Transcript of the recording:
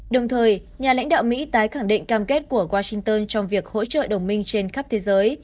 đồng thời nhà lãnh đạo mỹ tái khẳng định cam kết của washington trong việc hỗ trợ đồng minh trên khắp thế giới